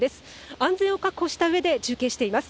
安全を確保したうえで中継しています。